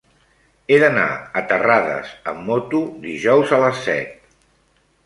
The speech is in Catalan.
He d'anar a Terrades amb moto dijous a les set.